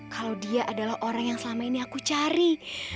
kalau dia adalah orang yang selama ini aku cari